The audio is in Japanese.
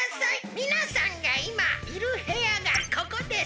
みなさんがいまいるへやがここです！